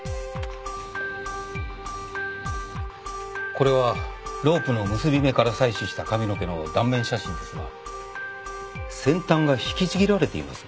これはロープの結び目から採取した髪の毛の断面写真ですが先端が引きちぎられています。